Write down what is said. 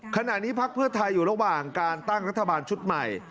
พักเพื่อไทยอยู่ระหว่างการตั้งรัฐบาลชุดใหม่